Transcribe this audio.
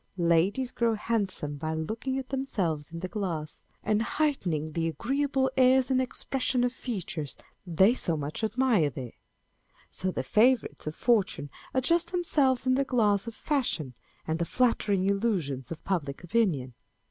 Ladies grow handsome by looking at themselves in the glass, and heightening the agreeable airs and expression of features they so much admire there. So the favourites of fortune adjust themselves in the glass of fashion and the flatter ing illusions of public opinion.